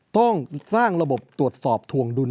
ต้องสร้างระบบตรวจสอบถวงดุล